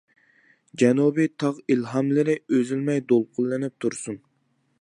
جەنۇبىي تاغ ئىلھاملىرى ئۈزۈلمەي دولقۇنلىنىپ تۇرسۇن.